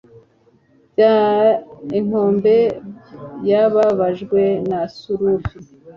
Bya inkombe yababajwe na surf